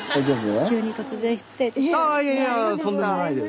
ああいやいやとんでもないです